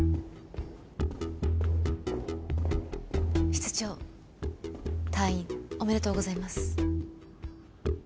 室長退院おめでとうございます。